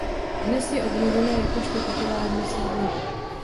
Dnes je obnovena jakožto titulární sídlo.